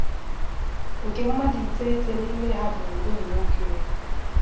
nke mmadụ iteghete n'ime ha bụ ụmụnwoke